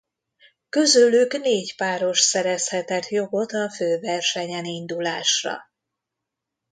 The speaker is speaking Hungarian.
Közülük négy páros szerezhetett jogot a főversenyen indulásra.